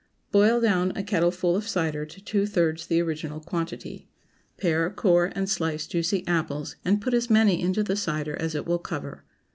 Boil down a kettleful of cider to two thirds the original quantity. Pare, core, and slice juicy apples, and put as many into the cider as it will cover.